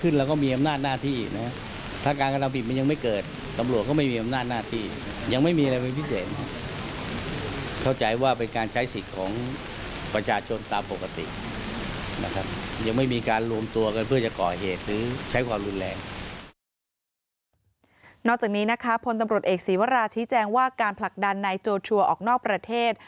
นอกจากนี้นะคะพลตำรวจเอกศีวราชี้แจงว่าการผลักดันนายโจชัวร์ออกนอกประเทศ